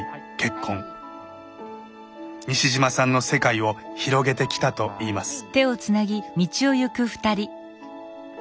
西島さんの世界を広げてきたといいます。